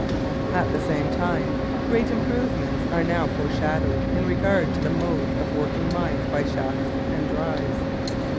At the same time great improvements are now foreshadowed in regard to the modes of working mines by shafts and drives.